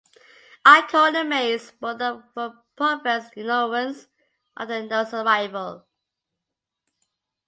I called the maids, both of whom professed ignorance of the note's arrival.